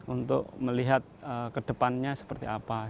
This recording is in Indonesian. untuk melihat ke depannya untuk melihat ke depannya